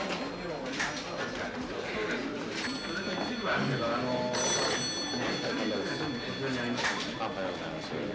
おはようございます。